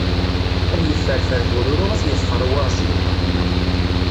Ad yefferfer bururu ad t-yeḍfer uwaɣzniw.